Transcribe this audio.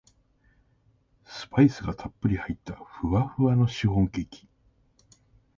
スパイスがたっぷり入ったふわふわのシフォンケーキ